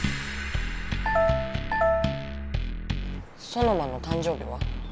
ソノマの誕生日は？